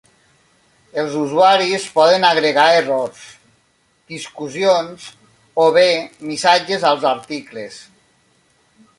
Els usuaris poden agregar errors, discussions o bé missatges als articles.